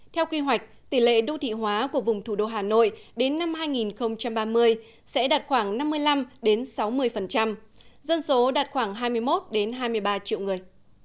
theo quy hoạch tỷ lệ đô thị hóa của vùng thủ đô hà nội đến năm hai nghìn ba mươi sẽ đạt khoảng năm mươi năm sáu mươi dân số đạt khoảng hai mươi một hai mươi ba triệu người